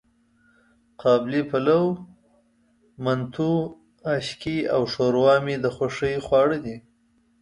قابلي پلو، منتو، آشکې او ښوروا مې د خوښې خواړه دي.